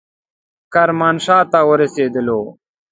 کرمانشاه ته ورسېدلو.